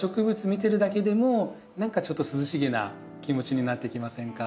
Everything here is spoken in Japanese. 見てるだけでも何かちょっと涼しげな気持ちになってきませんか？